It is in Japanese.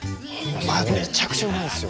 めちゃくちゃうまいんですよ。